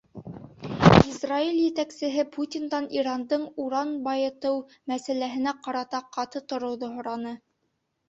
Израиль етәксеһе Путиндан Ирандың уран байытыу мәсьәләһенә ҡарата ҡаты тороуҙы һораны.